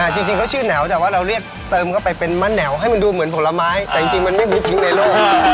จริงเขาชื่อหนาวแต่ว่าเราเรียกเติมเข้าไปเป็นมะแหววให้มันดูเหมือนผลไม้แต่จริงมันไม่มีทิ้งในโลก